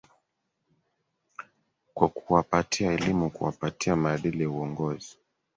kwa kuwapatia elimu kuwapatia maadili ya uongozi